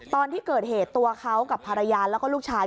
ตอนที่เกิดเหตุตัวเขากับภรรยาแล้วก็ลูกชาย